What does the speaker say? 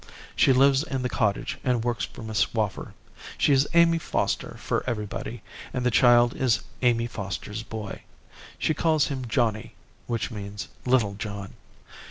She lives in the cottage and works for Miss Swaffer. She is Amy Foster for everybody, and the child is 'Amy Foster's boy.' She calls him Johnny which means Little John.